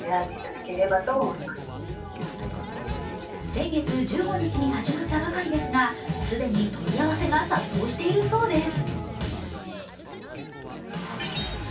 先月１５日に始まったばかりですが、既に問い合わせが殺到しているそうです。